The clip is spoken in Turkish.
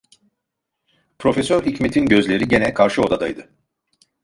Profesör Hikmet’in gözleri gene karşı odadaydı.